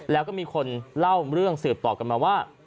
แล้วก็มีคนเล่าเรื่องสืบต่อกันมาว่า